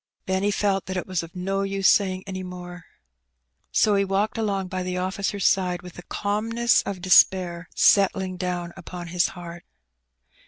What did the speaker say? Benny felt that it was of no use saying any more, so he walked along by the officer's side with the calmness of despair settling down upon his heart.